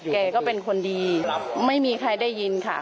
แกก็เป็นคนดีไม่มีใครได้ยินค่ะ